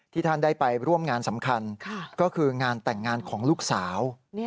ท่านได้ไปร่วมงานสำคัญก็คืองานแต่งงานของลูกสาว